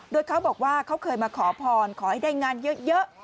โดยเขาบอกว่าเขาเคยมาขอพรขอให้ได้งานเยอะ